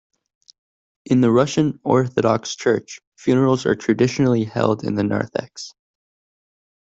In the Russian Orthodox Church funerals are traditionally held in the narthex.